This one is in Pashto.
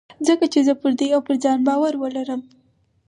ځکه چې زه به پر دوی او پر ځان باور ولرم.